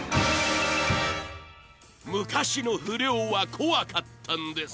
［昔の不良は怖かったんです］